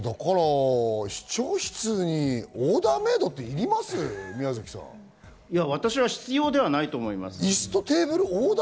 市長室にオーダーメードって私は必要ではないと思います。